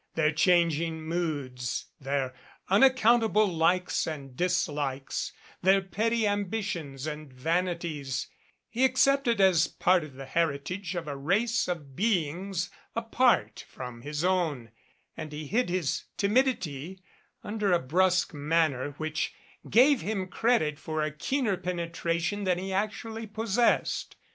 Their changing moods, their unac countable likes and dislikes, their petty ambitions and vanities he accepted as part of the heritage of a race of beings apart from his own, and he hid his timidity under a brusque manner which gave him credit for a keener pene tration than he actually possessed.